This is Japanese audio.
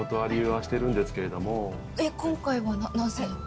今回はなぜ？